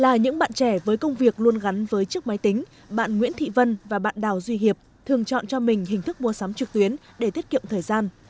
là những bạn trẻ với công việc luôn gắn với chiếc máy tính bạn nguyễn thị vân và bạn đào duy hiệp thường chọn cho mình hình thức mua sắm trực tuyến để tiết kiệm thời gian